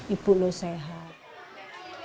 ibu lu sehat